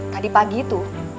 tadi pagi itu